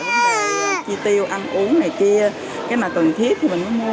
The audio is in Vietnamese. để chi tiêu ăn uống này kia cái mà cần thiết thì mình có mua